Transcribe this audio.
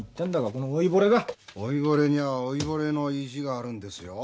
この老いぼれが老いぼれには老いぼれの意地があるんですよ